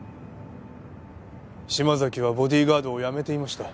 島崎はボディーガードを辞めていました。